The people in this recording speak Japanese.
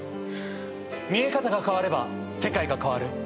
見え方が変われば世界が変わる。